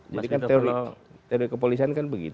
jadi kan teori kepolisian kan begitu